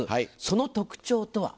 その特徴とは？